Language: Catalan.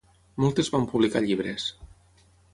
Moltes van publicar llibres.